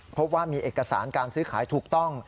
พบว่ามีเอกสารการซื้อขายถูกต้อง